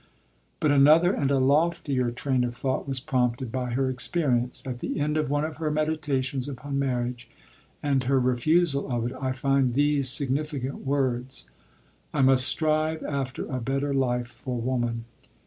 But another and a loftier train of thought was prompted by her experience. At the end of one of her meditations upon marriage, and her refusal of it, I find these significant words: "I must strive after a better life for woman."